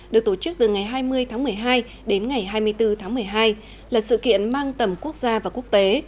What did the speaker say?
được tổ chức từ ngày hai mươi tháng một mươi hai đến ngày hai mươi bốn tháng một mươi hai là sự kiện mang tầm quốc gia và quốc tế